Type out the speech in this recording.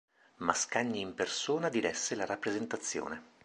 Mascagni in persona diresse la rappresentazione.